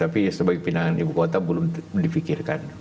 tapi sebagai pindahan ibu kota belum difikirkan